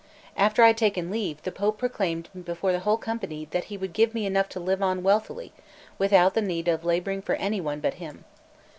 After I had taken leave, the Pope proclaimed before the whole company that he would give me enough to live on wealthily without the need of labouring for any one but him.